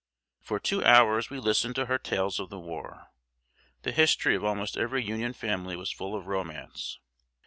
] For two hours we listened to her tales of the war. The history of almost every Union family was full of romance.